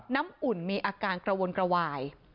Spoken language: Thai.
น้ำอุ่นมีอาการกระวนกระวาย